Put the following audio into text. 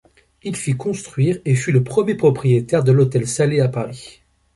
Il fit construire et fut le premier propriétaire de l'Hôtel Salé à Paris.